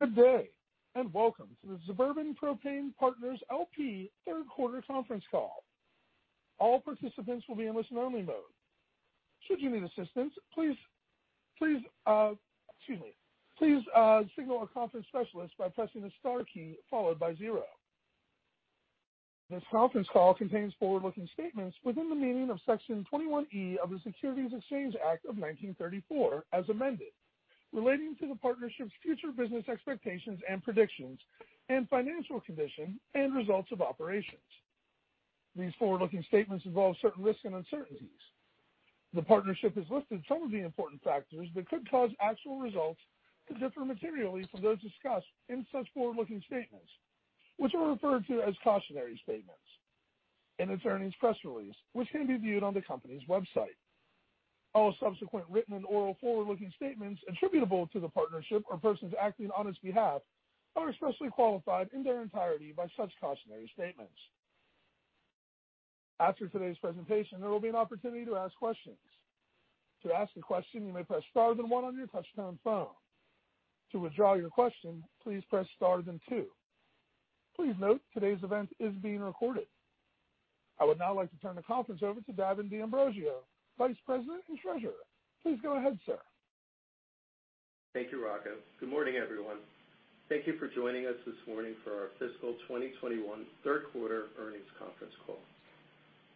Good day, and welcome to the Suburban Propane Partners, L.P. third quarter conference call. All participants will be in listen-only mode. Should you need assistance, please signal a conference specialist by pressing the star key followed by zero. This conference call contains forward-looking statements within the meaning of Section 21E of the Securities Exchange Act of 1934, as amended, relating to the partnership's future business expectations and predictions, and financial condition and results of operations. These forward-looking statements involve certain risks and uncertainties. The partnership has listed some of the important factors that could cause actual results to differ materially from those discussed in such forward-looking statements, which are referred to as cautionary statements in its earnings press release, which can be viewed on the company's website. All subsequent written and oral forward-looking statements attributable to the partnership or persons acting on its behalf are expressly qualified in their entirety by such cautionary statements. After today's presentation, there will be an opportunity to ask questions. Please note, today's event is being recorded. I would now like to turn the conference over to Davin D'Ambrosio, Vice President and Treasurer. Please go ahead, sir. Thank you, Rocco. Good morning, everyone. Thank you for joining us this morning for our fiscal 2021 third quarter earnings conference call.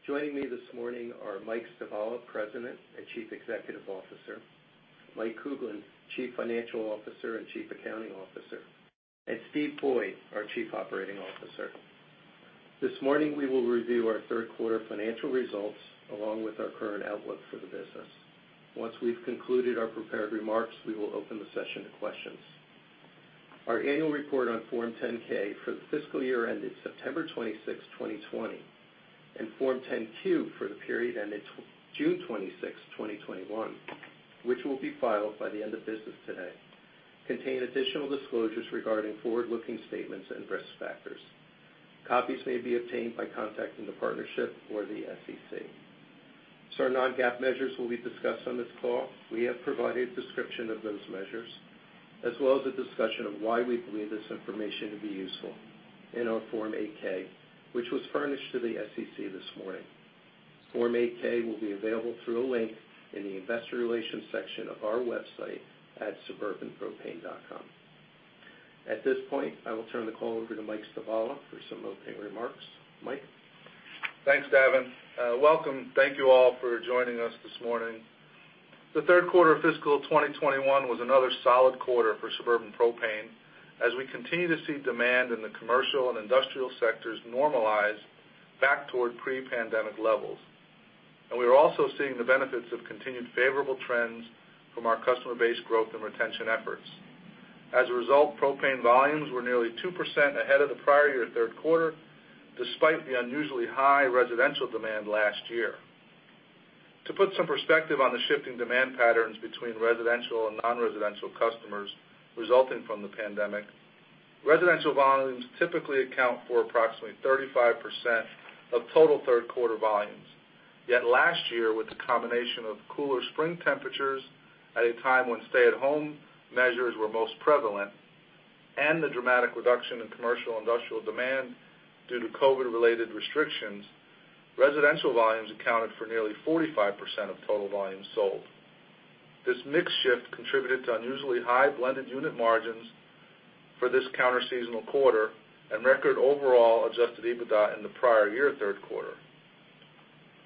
Joining me this morning are Mike Stivala, President and Chief Executive Officer, Mike Kuglin, Chief Financial Officer and Chief Accounting Officer, and Steve Boyd, our Chief Operating Officer. This morning, we will review our third quarter financial results, along with our current outlook for the business. Once we've concluded our prepared remarks, we will open the session to questions. Our annual report on Form 10-K for the fiscal year ended September 26, 2020, and Form 10-Q for the period ended June 26, 2021, which will be filed by the end of business today, contain additional disclosures regarding forward-looking statements and risk factors. Copies may be obtained by contacting the partnership or the SEC. Certain non-GAAP measures will be discussed on this call. We have provided a description of those measures, as well as a discussion of why we believe this information to be useful in our Form 8-K, which was furnished to the SEC this morning. Form 8-K will be available through a link in the investor relations section of our website at suburbanpropane.com. At this point, I will turn the call over to Michael Stivala for some opening remarks. Mike? Thanks, Davin. Welcome. Thank you all for joining us this morning. The third quarter of fiscal 2021 was another solid quarter for Suburban Propane as we continue to see demand in the commercial and industrial sectors normalize back toward pre-pandemic levels. We are also seeing the benefits of continued favorable trends from our customer base growth and retention efforts. As a result, propane volumes were nearly 2% ahead of the prior year third quarter, despite the unusually high residential demand last year. To put some perspective on the shifting demand patterns between residential and non-residential customers resulting from the pandemic, residential volumes typically account for approximately 35% of total third quarter volumes. Last year, with the combination of cooler spring temperatures at a time when stay-at-home measures were most prevalent, and the dramatic reduction in commercial industrial demand due to COVID-related restrictions, residential volumes accounted for nearly 45% of total volumes sold. This mix shift contributed to unusually high blended unit margins for this counter seasonal quarter and record overall adjusted EBITDA in the prior year, third quarter.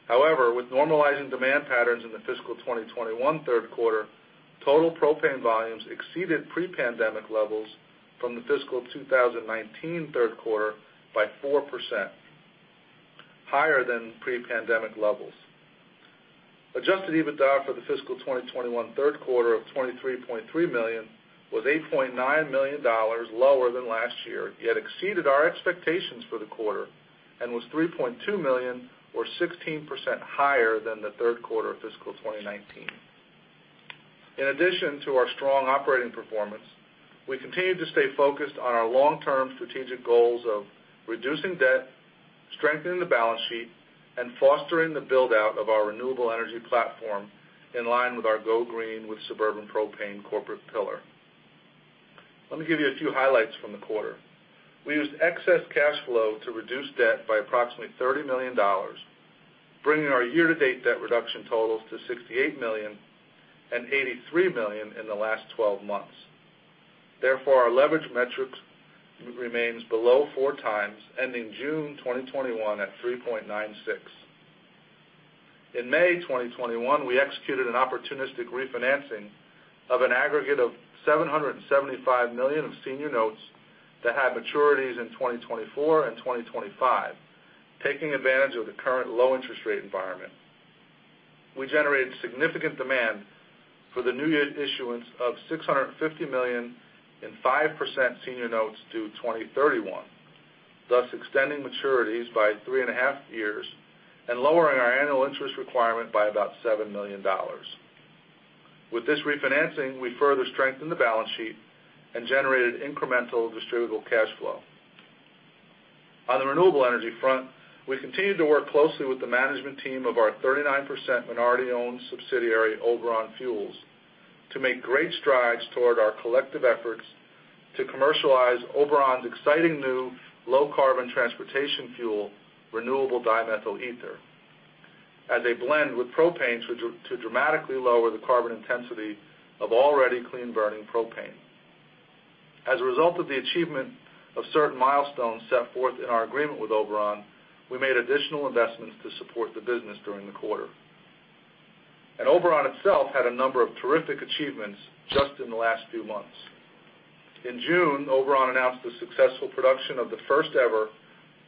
However, with normalizing demand patterns in the fiscal 2021 third quarter, total propane volumes exceeded pre-pandemic levels from the fiscal 2019 third quarter by 4%, higher than pre-pandemic levels. Adjusted EBITDA for the fiscal 2021 third quarter of $23.3 million was $8.9 million lower than last year, yet exceeded our expectations for the quarter and was $3.2 million or 16% higher than the third quarter of fiscal 2019. In addition to our strong operating performance, we continue to stay focused on our long-term strategic goals of reducing debt, strengthening the balance sheet, and fostering the build-out of our renewable energy platform in line with our Go Green with Suburban Propane corporate pillar. Let me give you a few highlights from the quarter. We used excess cash flow to reduce debt by approximately $30 million, bringing our year-to-date debt reduction totals to $68 million and $83 million in the last 12 months. Therefore, our leverage metrics remain below 4x, ending June 2021 at 3.96x. In May 2021, we executed an opportunistic refinancing of an aggregate of $775 million of senior notes that had maturities in 2024 and 2025, taking advantage of the current low interest rate environment. We generated significant demand for the new issuance of $650 million in 5% senior notes due 2031, thus extending maturities by 3.5 years and lowering our annual interest requirement by about $7 million. With this refinancing, we further strengthened the balance sheet and generated incremental distributable cash flow. On the renewable energy front, we continue to work closely with the management team of our 39% minority-owned subsidiary, Oberon Fuels, to make great strides toward our collective efforts to commercialize Oberon's exciting new low-carbon transportation fuel, renewable dimethyl ether, as a blend with propane to dramatically lower the carbon intensity of already clean-burning propane. As a result of the achievement of certain milestones set forth in our agreement with Oberon, we made additional investments to support the business during the quarter. Oberon itself had a number of terrific achievements just in the last few months. In June, Oberon announced the successful production of the first-ever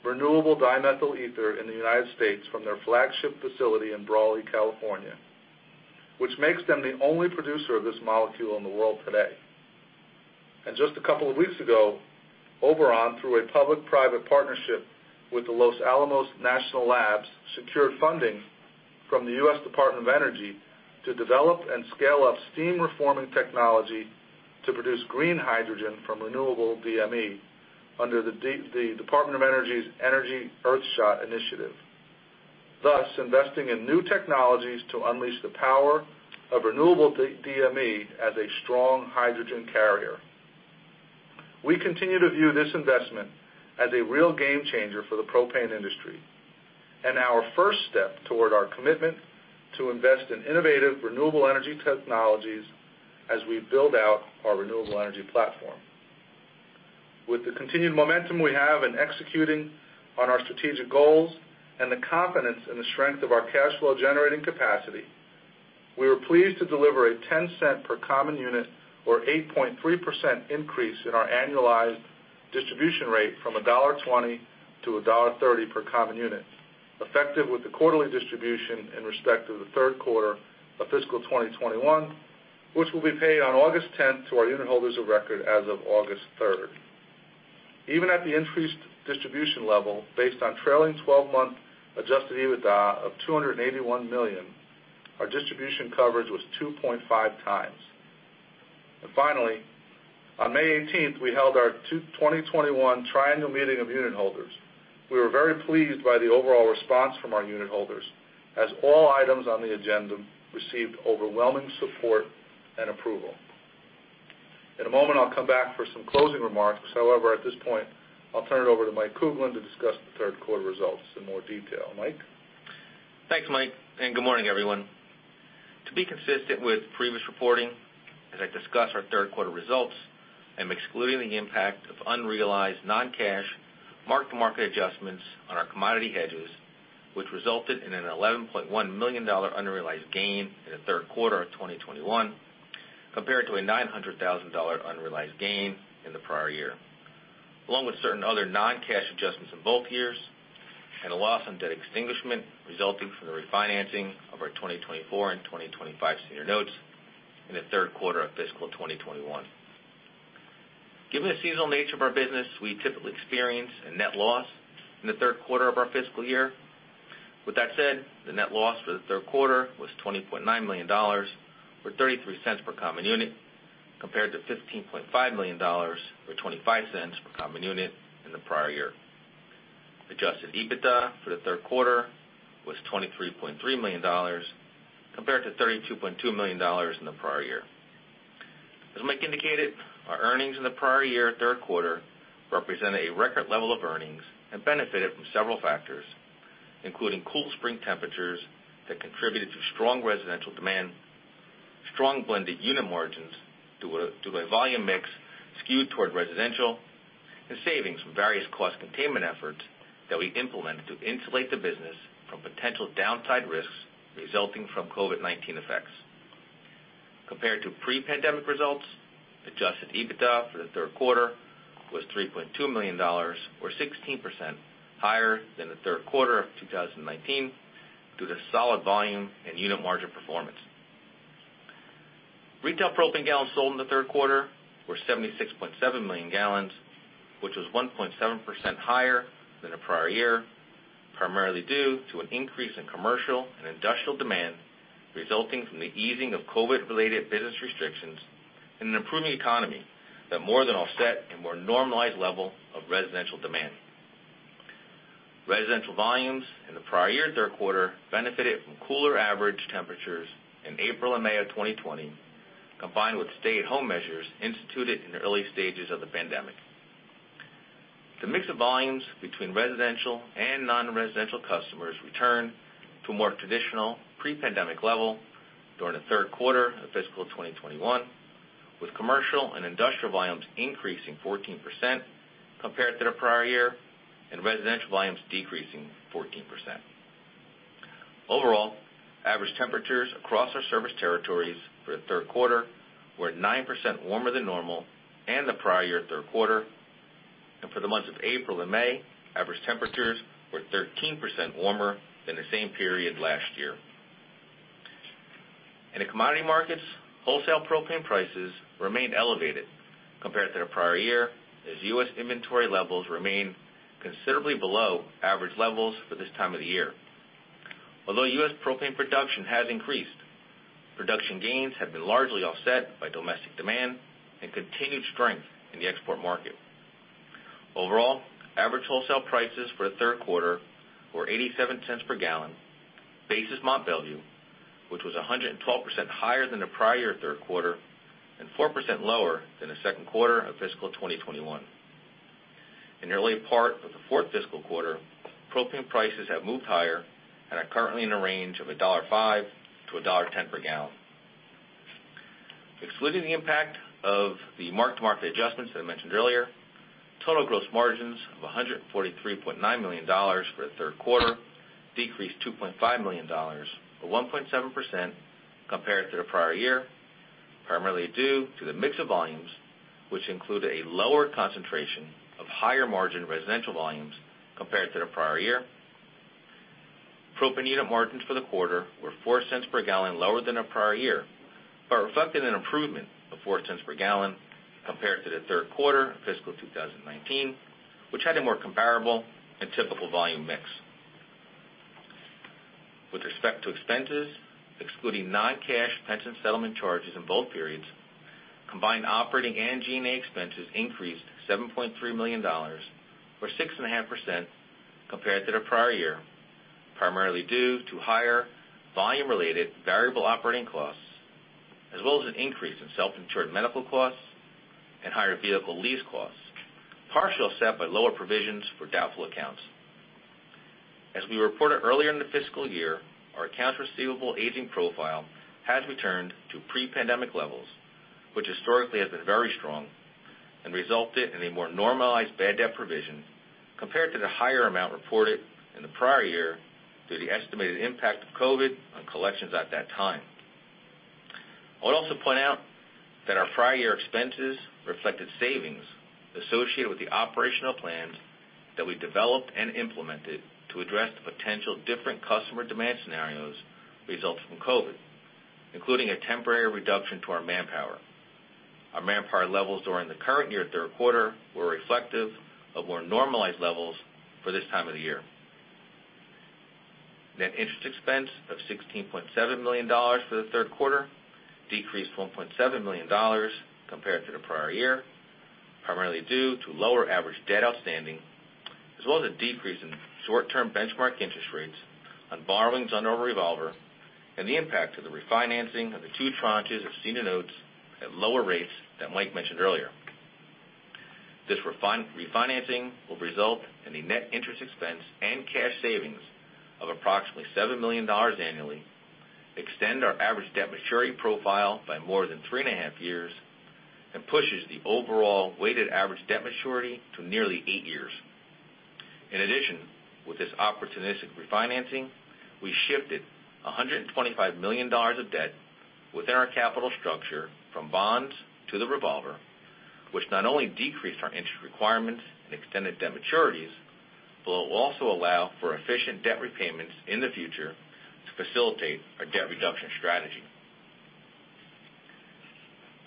renewable dimethyl ether in the United States from their flagship facility in Brawley, California, which makes them the only producer of this molecule in the world today. Just a couple of weeks ago, Oberon, through a public-private partnership with the Los Alamos National Labs, secured funding from the U.S. Department of Energy to develop and scale up steam reforming technology to produce green hydrogen from renewable DME under the U.S. Department of Energy's Energy Earthshots Initiative, thus investing in new technologies to unleash the power of renewable DME as a strong hydrogen carrier. We continue to view this investment as a real game-changer for the propane industry and our first step toward our commitment to invest in innovative, renewable energy technologies as we build out our renewable energy platform. With the continued momentum we have in executing on our strategic goals and the confidence in the strength of our cash flow generating capacity, we were pleased to deliver a $0.10 per common unit or 8.3% increase in our annualized distribution rate from $1.20 to $1.30 per common unit, effective with the quarterly distribution in respect of the third quarter of fiscal 2021, which will be paid on August 10th to our unit holders of record as of August 3rd. Even at the increased distribution level, based on trailing 12-month adjusted EBITDA of $281 million, our distribution coverage was 2.5x. Finally, on May 18th, we held our 2021 Triennial Meeting of Unit Holders. We were very pleased by the overall response from our unit holders, as all items on the agenda received overwhelming support and approval. In a moment, I'll come back for some closing remarks. However, at this point, I'll turn it over to Mike Kuglin to discuss the third quarter results in more detail. Mike? Thanks, Mike, and good morning, everyone. To be consistent with previous reporting, as I discuss our third quarter results, I'm excluding the impact of unrealized non-cash mark-to-market adjustments on our commodity hedges, which resulted in an $11.1 million unrealized gain in the third quarter of 2021, compared to a $900,000 unrealized gain in the prior year. Along with certain other non-cash adjustments in both years and a loss on debt extinguishment resulting from the refinancing of our 2024 and 2025 senior notes in the third quarter of fiscal 2021. Given the seasonal nature of our business, we typically experience a net loss in the third quarter of our fiscal year. With that said, the net loss for the third quarter was $20.9 million, or $0.33 per common unit, compared to $15.5 million or $0.25 per common unit in the prior year. Adjusted EBITDA for the third quarter was $23.3 million, compared to $32.2 million in the prior year. As Mike indicated, our earnings in the prior year third quarter represented a record level of earnings and benefited from several factors, including cool spring temperatures that contributed to strong residential demand, strong blended unit margins to a volume mix skewed toward residential, and savings from various cost containment efforts that we implemented to insulate the business from potential downside risks resulting from COVID-19 effects. Compared to pre-pandemic results, adjusted EBITDA for the third quarter was $3.2 million, or 16% higher than the third quarter of 2019 due to solid volume and unit margin performance. Retail propane gallons sold in the third quarter were 76.7 million gallons, which was 1.7% higher than the prior year, primarily due to an increase in commercial and industrial demand resulting from the easing of COVID-related business restrictions and an improving economy that more than offset a more normalized level of residential demand. Residential volumes in the prior year third quarter benefited from cooler average temperatures in April and May of 2020, combined with stay-at-home measures instituted in the early stages of the pandemic. The mix of volumes between residential and non-residential customers returned to a more traditional pre-pandemic level during the third quarter of fiscal 2021, with commercial and industrial volumes increasing 14% compared to the prior year and residential volumes decreasing 14%. Overall, average temperatures across our service territories for the third quarter were 9% warmer than normal and the prior year third quarter. For the months of April and May, average temperatures were 13% warmer than the same period last year. In the commodity markets, wholesale propane prices remained elevated compared to the prior year as U.S. inventory levels remain considerably below average levels for this time of the year. Although U.S. propane production has increased, production gains have been largely offset by domestic demand and continued strength in the export market. Overall, average wholesale prices for the third quarter were $0.87 per gallon, basis Mont Belvieu, which was 112% higher than the prior year third quarter and 4% lower than the second quarter of fiscal 2021. In the early part of the fourth fiscal quarter, propane prices have moved higher and are currently in a range of $1.05-$1.10 per gallon. Excluding the impact of the mark-to-market adjustments that I mentioned earlier, total gross margins of $143.9 million for the third quarter decreased $2.5 million, or 1.7%, compared to the prior year, primarily due to the mix of volumes, which include a lower concentration of higher-margin residential volumes compared to the prior year. Propane unit margins for the quarter were $0.04 per gallon lower than the prior year, but reflected an improvement of $0.04 per gallon compared to the third quarter of fiscal 2019, which had a more comparable and typical volume mix. With respect to expenses, excluding non-cash pension settlement charges in both periods, combined operating and G&A expenses increased $7.3 million, or 6.5%, compared to the prior year, primarily due to higher volume-related variable operating costs as well as an increase in self-insured medical costs and higher vehicle lease costs, partially offset by lower provisions for doubtful accounts. We reported earlier in the fiscal year, our accounts receivable aging profile has returned to pre-pandemic levels, which historically has been very strong and resulted in a more normalized bad debt provision compared to the higher amount reported in the prior year due to the estimated impact of COVID-19 on collections at that time. I would also point out that our prior year expenses reflected savings associated with the operational plans that we developed and implemented to address the potential different customer demand scenarios resulting from COVID, including a temporary reduction to our manpower. Our manpower levels during the current year third quarter were reflective of more normalized levels for this time of the year. Net interest expense of $16.7 million for the third quarter decreased $1.7 million compared to the prior year, primarily due to lower average debt outstanding as well as a decrease in short-term benchmark interest rates on borrowings under our revolver and the impact of the refinancing of the two tranches of senior notes at lower rates that Mike mentioned earlier. This refinancing will result in a net interest expense and cash savings of approximately $7 million annually, extend our average debt maturity profile by more than 3.5 years, and pushes the overall weighted average debt maturity to nearly eight years. In addition, with this opportunistic refinancing, we shifted $125 million of debt within our capital structure from bonds to the revolver, which not only decreased our interest requirements and extended debt maturities, but will also allow for efficient debt repayments in the future to facilitate our debt reduction strategy.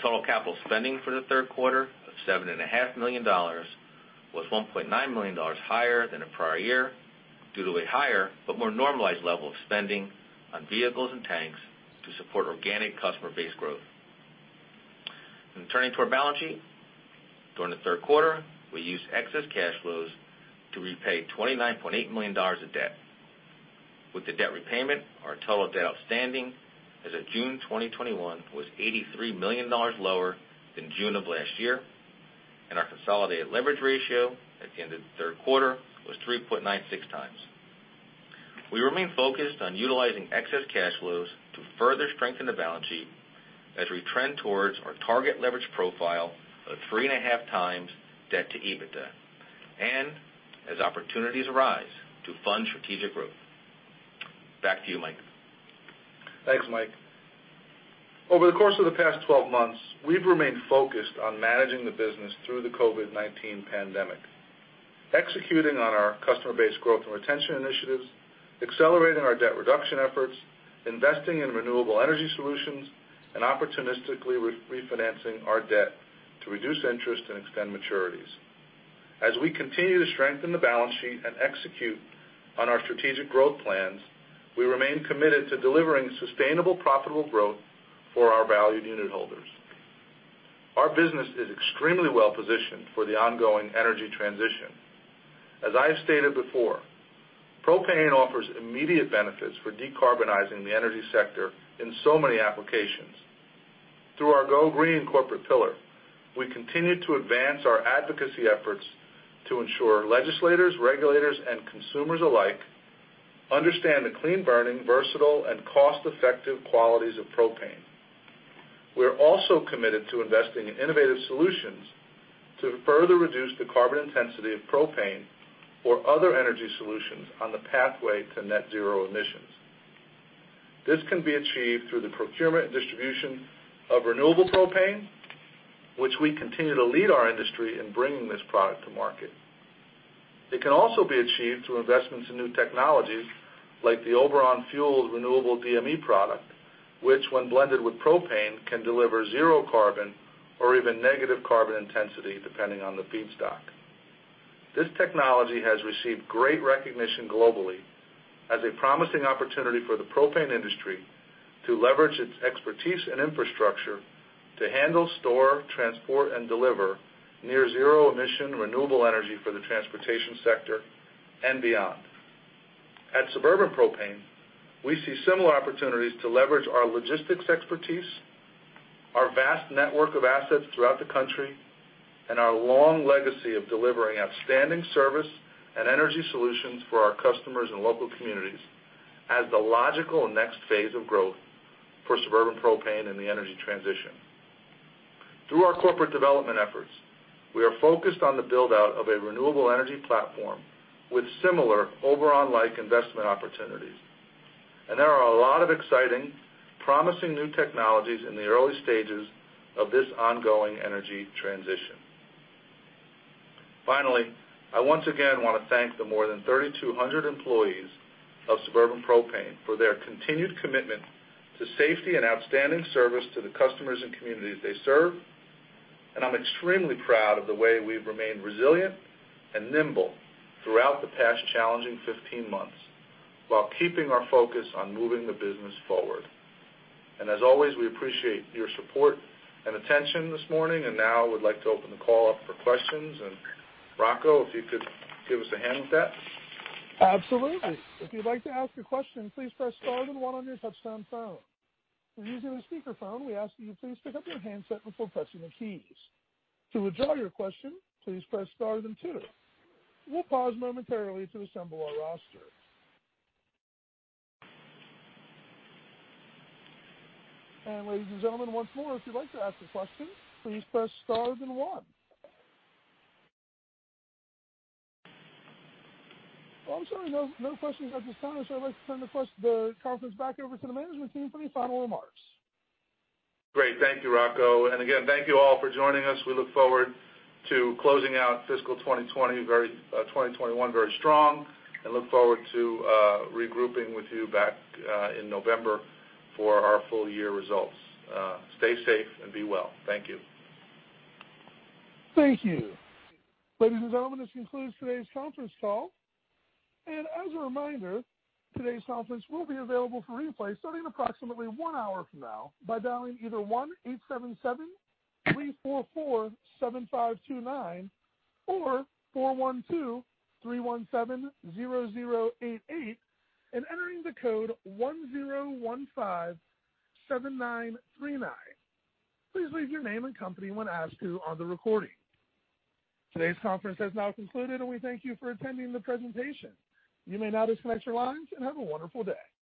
Total capital spending for the third quarter of $7.5 million was $1.9 million higher than the prior year due to a higher but more normalized level of spending on vehicles and tanks to support organic customer base growth. Turning to our balance sheet. During the third quarter, we used excess cash flows to repay $29.8 million of debt. With the debt repayment, our total debt outstanding as of June 2021 was $83 million lower than June of last year, and our consolidated leverage ratio at the end of the third quarter was 3.96x. We remain focused on utilizing excess cash flows to further strengthen the balance sheet as we trend towards our target leverage profile of 3.5x debt to EBITDA and as opportunities arise to fund strategic growth. Back to you, Mike. Thanks, Mike. Over the course of the past 12 months, we've remained focused on managing the business through the COVID-19 pandemic, executing on our customer base growth and retention initiatives, accelerating our debt reduction efforts, investing in renewable energy solutions, and opportunistically refinancing our debt to reduce interest and extend maturities. As we continue to strengthen the balance sheet and execute on our strategic growth plans, we remain committed to delivering sustainable, profitable growth for our valued unit holders. Our business is extremely well-positioned for the ongoing energy transition. As I have stated before, propane offers immediate benefits for decarbonizing the energy sector in so many applications. Through our Go Green corporate pillar, we continue to advance our advocacy efforts to ensure legislators, regulators, and consumers alike understand the clean-burning, versatile, and cost-effective qualities of propane. We're also committed to investing in innovative solutions to further reduce the carbon intensity of propane or other energy solutions on the pathway to net zero emissions. This can be achieved through the procurement and distribution of renewable propane, which we continue to lead our industry in bringing this product to market. It can also be achieved through investments in new technologies like the Oberon Fuels renewable DME product, which when blended with propane, can deliver zero carbon or even negative carbon intensity depending on the feedstock. This technology has received great recognition globally as a promising opportunity for the propane industry to leverage its expertise and infrastructure to handle, store, transport, and deliver near zero emission renewable energy for the transportation sector and beyond. At Suburban Propane, we see similar opportunities to leverage our logistics expertise, our vast network of assets throughout the country, and our long legacy of delivering outstanding service and energy solutions for our customers and local communities as the logical next phase of growth for Suburban Propane in the energy transition. Through our corporate development efforts, we are focused on the build-out of a renewable energy platform with similar Oberon-like investment opportunities. There are a lot of exciting, promising new technologies in the early stages of this ongoing energy transition. Finally, I once again want to thank the more than 3,200 employees of Suburban Propane for their continued commitment to safety and outstanding service to the customers and communities they serve. I'm extremely proud of the way we've remained resilient and nimble throughout the past challenging 15 months while keeping our focus on moving the business forward. As always, we appreciate your support and attention this morning, and now would like to open the call up for questions. Rocco, if you could give us a hand with that. Absolutely. If you'd like to ask a question, please press star then one on your touchtone phone. If you're using a speakerphone, we ask that you please pick up your handset before pressing the keys. To withdraw your question, please press star then two. We'll pause momentarily to assemble our roster. And ladies and gentlemen, once more, if you'd like to ask a question, please press star then one. I'm showing no questions at this time, so I'd like to turn the conference back over to the management team for any final remarks. Great. Thank you, Rocco. Again, thank you all for joining us. We look forward to closing out fiscal 2021 very strong and look forward to regrouping with you back in November for our full year results. Stay safe and be well. Thank you. Thank you. Ladies and gentlemen, this concludes today's conference call. And as a reminder, today's conference will be available for replay starting approximately one hour from now by dialing either 1-877-344-7529 or 412-317-0088 and entering the code 10157939. Please leave your name and company when asked to on the recording. Today's conference has now concluded, and we thank you for attending the presentation. You may now disconnect your lines and have a wonderful day.